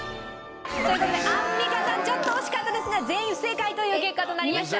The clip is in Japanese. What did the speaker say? という事でアンミカさんちょっと惜しかったですが全員不正解という結果となりました。